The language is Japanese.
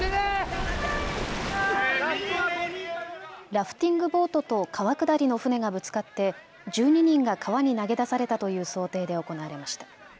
ラフティングボートと川下りの舟がぶつかって１２人が川に投げ出されたという想定で行われました。